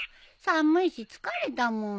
寒いし疲れたもん。